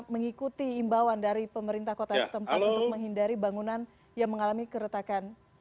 mengikuti imbauan dari pemerintah kota setempat untuk menghindari bangunan yang mengalami keretakan